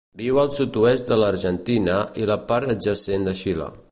Viu al sud-oest de l'Argentina i la part adjacent de Xile.